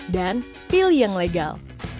dan pilih yang legal